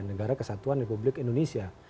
negara kesatuan republik indonesia